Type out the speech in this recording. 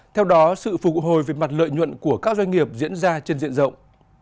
theo đó sự phục hồi về mặt lợi nhuận của các doanh nghiệp diễn ra trên diện rộng